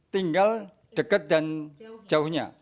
tinggal dekat dan jauhnya